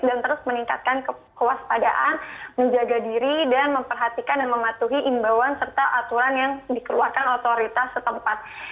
dan terus meningkatkan kewaspadaan menjaga diri dan memperhatikan dan mematuhi imbauan serta aturan yang dikeluarkan otoritas setempat